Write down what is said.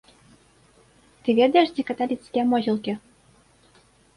Ты ведаеш, дзе каталіцкія могілкі?